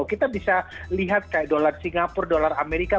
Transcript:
kita bisa lihat kayak dolar singapura dolar amerika